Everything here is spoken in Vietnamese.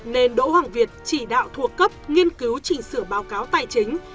nên đỗ hoàng việt chỉ đạo thuộc cấp nghiên cứu chỉnh sửa báo cáo tài chính